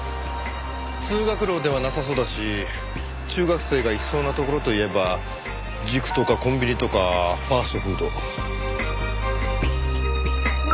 通学路ではなさそうだし中学生が行きそうなところといえば塾とかコンビニとかファストフード。